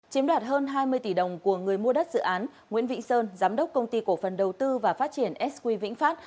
chiếm đoạt hơn hai mươi tỷ đồng của người mua đất dự án nguyễn vĩnh sơn giám đốc công ty cổ phần đầu tư và phát triển sq vĩnh phát